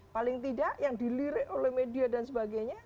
paling tidak yang dilirik oleh media dan sebagainya